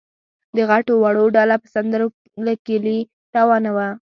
د غټو وړو ډله په سندرو له کلي روانه وه.